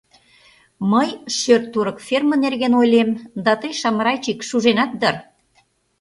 Мый шӧр-торык ферме нерген ойлем, да тый, Шамрайчик, шуженат дыр?